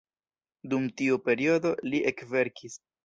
Dum tiu periodo, Li ekverkis.